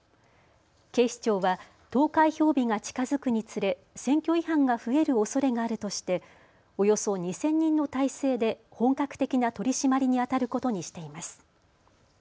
警視庁は投開票日が近づくにつれ選挙違反が増えるおそれがあるとしておよそ２０００人の態勢で本格的な取締りにあたることにしています。